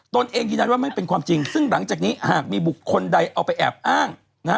เองยืนยันว่าไม่เป็นความจริงซึ่งหลังจากนี้หากมีบุคคลใดเอาไปแอบอ้างนะฮะ